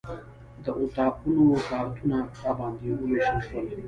د اتاقونو کارتونه راباندې وویشل شول.